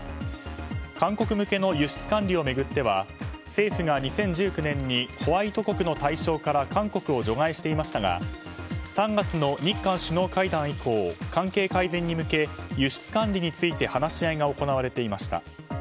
韓国向けの輸出管理を巡っては政府が２０１９年にホワイト国の対象から韓国を除外していましたが３月の日韓首脳会談以降関係改善に向け輸出管理について話し合いが行われていました。